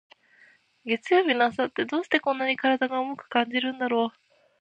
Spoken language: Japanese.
月曜日の朝って、どうしてこんなに体が重く感じるんだろう。